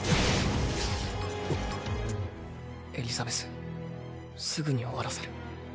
エリザベスすぐに終わらせる。